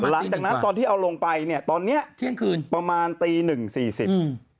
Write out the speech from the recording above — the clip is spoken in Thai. หลังจากที่เอาลงไปเนี้ยตอนเนี้ยเที่ยงคืนประมาณตีหนึ่งสี่สิบอืม